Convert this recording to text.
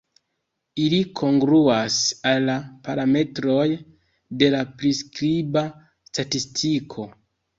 Ili kongruas al la "parametroj" de la priskriba statistiko.